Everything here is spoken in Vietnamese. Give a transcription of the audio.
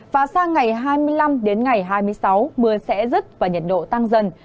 và sang ngày hai mươi năm đến ngày hai mươi sáu mưa sẽ rứt và nhiệt độ tăng dần